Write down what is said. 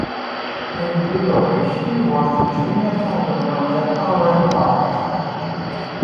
Individually he won the junior title on the parallel bars.